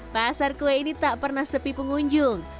pasar kue ini tak pernah sepi pengunjung